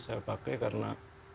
saya pakai karena